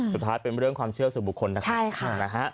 สุดท้ายเป็นเรื่องความเชื่อสู่บุคคลนะคะ